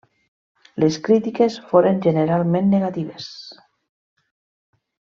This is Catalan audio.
Les crítiques foren generalment negatives.